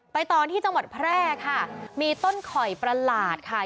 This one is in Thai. ต่อที่จังหวัดแพร่ค่ะมีต้นข่อยประหลาดค่ะ